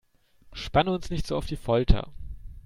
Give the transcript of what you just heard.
Spanne uns nicht so auf die Folter!